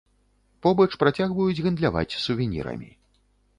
Побач працягваюць гандляваць сувенірамі.